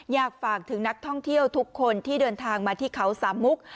อยากฝากถึงนักท่องเที่ยวทุกคนที่เดินทางมาที่เขาสามมุก